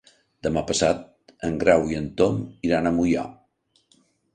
Demà passat en Grau i en Tom iran a Moià.